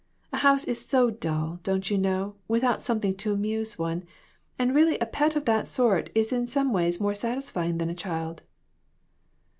A house is so dull, don't you know, without something to amuse one, and really a pet of that sort is in some ways more satisfying than a child."